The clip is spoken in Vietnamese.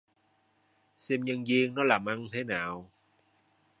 Xem nhân viên nó làm ăn thế nào